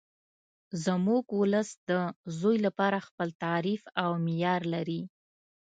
زموږ ولس د زوی لپاره خپل تعریف او معیار لري